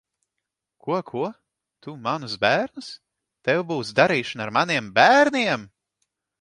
Ko, ko? Tu manus bērnus? Tev būs darīšana ar maniem bērniem!